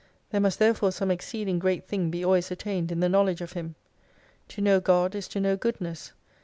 There must therefore some exceeding Great Thing be always attained in the Knowledge of Him. To know God is to know Good ness.